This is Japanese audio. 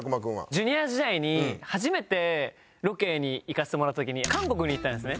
Ｊｒ．時代に初めてロケに行かせてもらった時に韓国に行ったんですね。